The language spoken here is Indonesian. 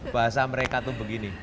bahasa mereka itu begini